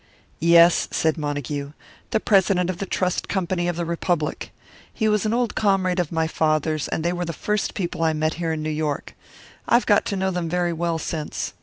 "Yes," said Montague, "the president of the Trust Company of the Republic. He was an old comrade of my father's, and they were the first people I met here in New York. I have got to know them very well since.